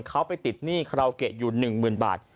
เขาไปติดหนี้คาราโอเกะอยู่๑๐๐๐บาท